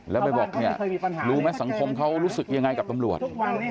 แล้วไปบอกเนี่ยรู้ไหมสังคมเขารู้สึกยังไงกับตำรวจ